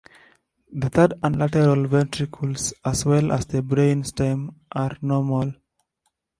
The third and lateral ventricles as well as the brain stem are normal.